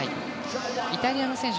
イタリアの選手